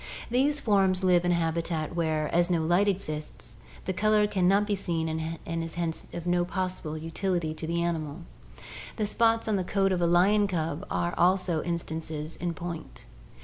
These forms live in a habitat where, as no light exists, the color can not be seen and hence is of no possible utility to the animal. The spots on the coat of a lion cub are also instances in point.